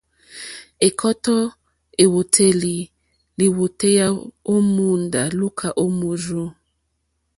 Ɛ̀kɔ́tɔ́ èwòtélì lìwòtéyá ó mòóndá lùúkà ó mòrzô.